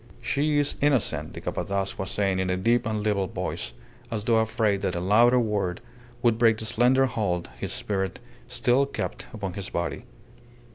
"She is innocent," the Capataz was saying in a deep and level voice, as though afraid that a louder word would break the slender hold his spirit still kept upon his body.